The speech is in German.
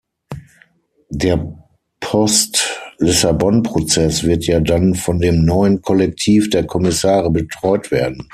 Der Post-Lissabon-Prozess wird ja dann von dem neuen Kollektiv der Kommissare betreut werden.